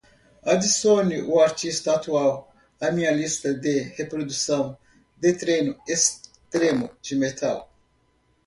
Adicione o artista atual à minha lista de reprodução de treino extremo de metal